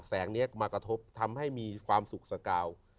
แสงนี้มากระทบทำให้มีความสุขสกาว